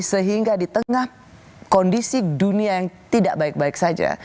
sehingga di tengah kondisi dunia yang tidak baik baik saja